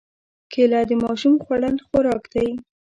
کېله د ماشوم خوړن خوراک دی.